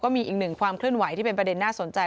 มีอีกหนึ่งความเคลื่อนไหวที่เป็นประเด็นน่าสนใจ